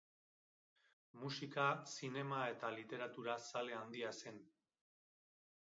Musika, zinema eta literatura zale handia zen.